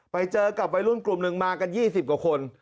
ไปเจอกับวัยรุ่นกลุ่มหนึ่งมากัน๒๐กว่าคน